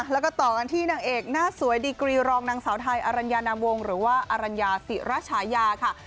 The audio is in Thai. แล้วก็ต่อกันที่นางเอกหน้าสวยดีกรีรองนางสาวไทยอรัญญานามวงหรือว่าอรัญญาศิรัชญาค่ะ